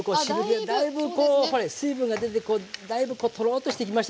だいぶこうほれ水分が出てだいぶとろっとしてきましたでしょ。